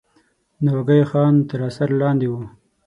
ناوګی خان تر اثر لاندې وو.